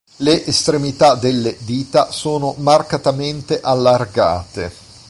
Le estremità delle dita sono marcatamente allargate.